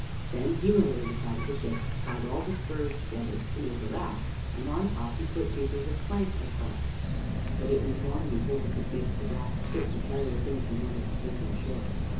Then he went over the side of the ship, and tied all the spars together so as to make a raft, and on top he put pieces of plank across. But it was long before he could make the raft fit to carry the things he wanted to take on shore.